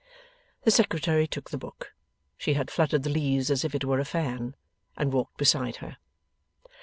The Secretary took the book she had fluttered the leaves as if it were a fan and walked beside her.